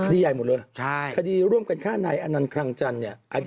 ดีใหญ่หมดเลยคดีร่วมกันฆ่านายอนันต์คลังจันทร์เนี่ย